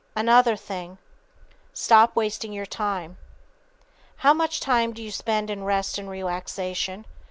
Another thing: Stop wasting your time. How much time do you spend in rest and relaxation?